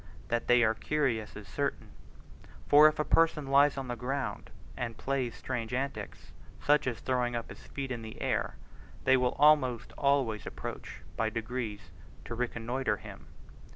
That they are curious is certain; for if a person lies on the ground, and plays strange antics, such as throwing up his feet in the air, they will almost always approach by degrees to reconnoitre him.